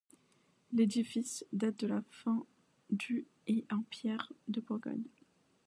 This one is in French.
L'édifice date de la fin du et est en pierre de Bourgogne.